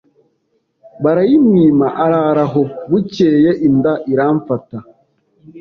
barayimwima arara aho, bukeye inda iramfata